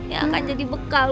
yang akan jadi bekal